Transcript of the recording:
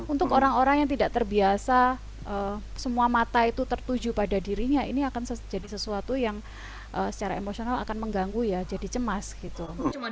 untuk orang orang yang tidak terbiasa semua mata itu tertuju pada dirinya ini akan jadi sesuatu yang secara emosional akan mengganggu ya jadi cemas gitu